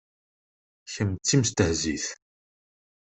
Kemm d timestehzit.